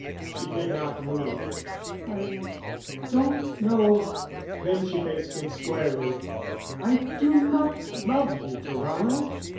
She did not move. "I don't know." Then she faced him squarely. "I do not love you, Tarrano."